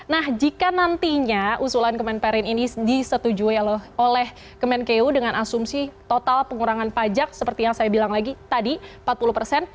nah jika nantinya usulan kemenperin ini disetujui oleh kemenkeu dengan asumsi total pengurangan pajak seperti yang saya bilang lagi tadi empat puluh persen